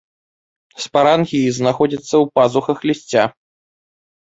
Спарангіі знаходзяцца ў пазухах лісця.